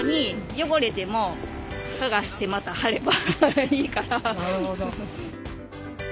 汚れてもはがしてまた貼ればいいから。